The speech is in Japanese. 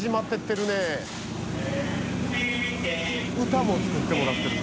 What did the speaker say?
歌も作ってもらってる。